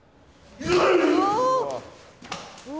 お！